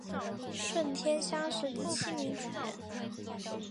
顺天乡试第七名举人。